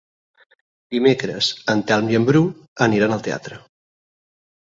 Dimecres en Telm i en Bru aniran al teatre.